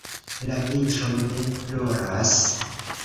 la vintroj ne ploras?